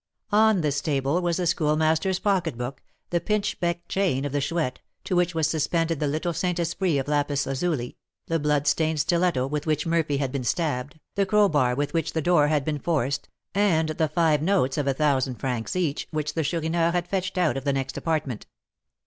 On this table was the Schoolmaster's pocketbook, the pinchbeck chain of the Chouette (to which was suspended the little Saint Esprit of lapis lazuli), the blood stained stiletto with which Murphy had been stabbed, the crowbar with which the door had been forced, and the five notes of a thousand francs each, which the Chourineur had fetched out of the next apartment.